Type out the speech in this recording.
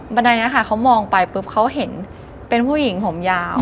บันไดนี้ค่ะเขามองไปปุ๊บเขาเห็นเป็นผู้หญิงผมยาว